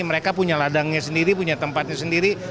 mereka punya ladangnya sendiri punya tempatnya sendiri